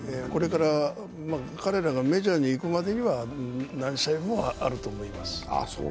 彼らがメジャー行くまでは何試合もあると思います。